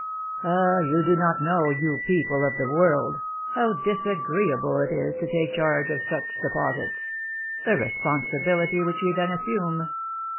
"Ah, you do not know, you people of the world, how disagreeable it is to take charge of such deposits, the responsibility which we then assume.